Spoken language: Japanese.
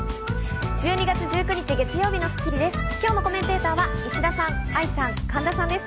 １２月１９日、月曜日の『スッキリ』です。